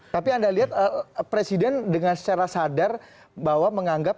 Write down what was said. tapi anda lihat presiden dengan secara sadar bahwa menganggap